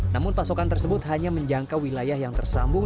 namun pasokan tersebut hanya menjangkau wilayah yang tersambung